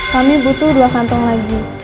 kami butuh dua kantong lagi